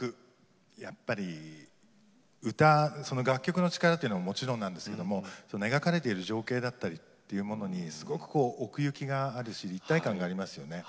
やっぱり歌その楽曲の力というのももちろんなんですけども描かれている情景だったりというものにすごく奥行きがあるし立体感がありますよね。